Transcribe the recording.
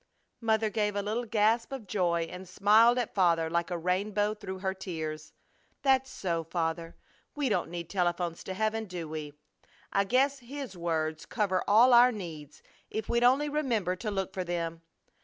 Mother gave a little gasp of joy and smiled at Father like a rainbow through her tears. "That's so, Father! We don't need telephones to heaven, do we? I guess His words cover all our needs if we'd only remember to look for them.